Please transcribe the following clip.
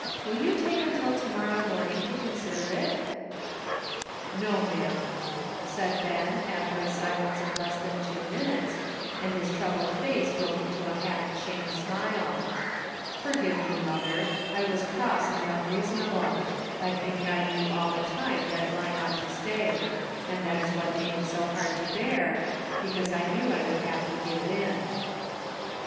Will you take until to morrow morning to consider it?" 1«0 DARK DAYS. "No, ma'am," said Ben, after a silence of less than two minutes, and his troubled face broke into a half asliained smile. "Forgive me, mother, I was cross and unreasonable ; 1 think I knew all the time that Line ought to stay ; and that is what made it so hard to bear, because I knew I would have to give in."